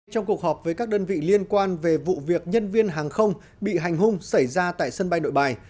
trong cuộc họp với các đơn vị liên quan về vụ việc nhân viên hàng không bị hành hung xảy ra tại sân bay nội bài